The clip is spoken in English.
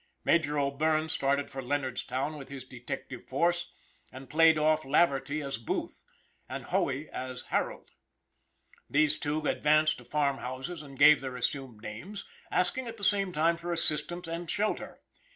Major O'Bierne started for Leonardstown with his detective force, and played off Laverty as Booth, and Hoey as Harold. These two advanced to farm houses and gave their assumed names, asking at the same time for assistance and shelter.